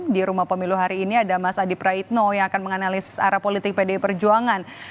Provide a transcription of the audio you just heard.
di rumah pemilu hari ini ada mas adi praitno yang akan menganalisis arah politik pdi perjuangan